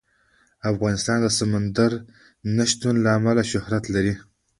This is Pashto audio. افغانستان د سمندر نه شتون له امله شهرت لري.